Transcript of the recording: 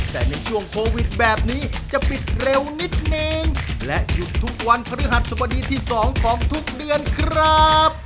แต่ในช่วงโควิดแบบนี้จะปิดเร็วนิดนึงและหยุดทุกวันพฤหัสสบดีที่สองของทุกเดือนครับ